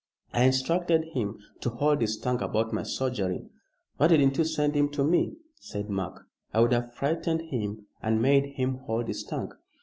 I instructed him to hold his tongue about my soldiering." "Why didn't you send him to me?" said Mark. "I would have frightened him, and made him hold his tongue."